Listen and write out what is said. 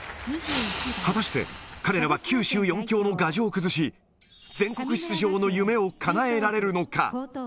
果たして、彼らは九州４強の牙城を崩し、全国出場の夢をかなえられるのか。